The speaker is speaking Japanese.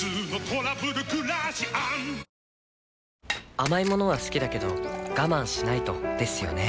甘い物は好きだけど我慢しないとですよね